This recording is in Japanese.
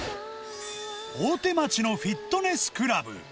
大手町のフィットネスクラブ。